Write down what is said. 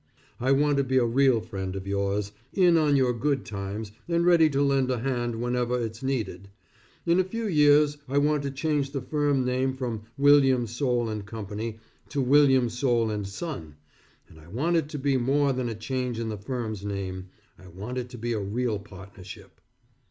I want to be a real friend of yours, in on your good times, and ready to lend a hand whenever it's needed. In a few years I want to change the firm name from William Soule & Company to William Soule & Son, and I want it to be more than a change in the firm's name. I want it to be a real partnership.